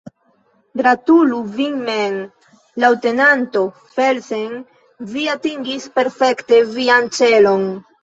Gratulu vin mem, leŭtenanto Felsen, vi atingis perfekte vian celon!